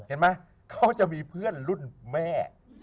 เห็นไหมเขาจะมีเพื่อนรุ่นแม่